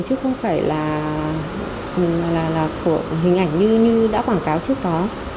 chứ không phải là của hình ảnh như đã quảng cáo trước đó